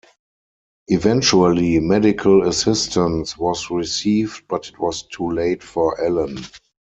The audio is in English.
Eventually medical assistance was received but it was too late for Allen.